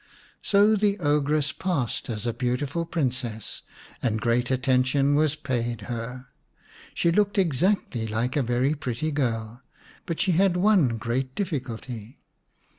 So the ogress passed as a beautiful Princess, and great attention was paid her. She looked exactly like a very pretty girl, but she had one great difficulty.